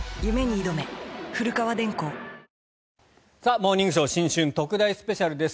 「モーニングショー新春特大スペシャル」です。